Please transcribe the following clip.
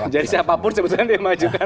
jadi siapapun sebetulnya yang dimajukan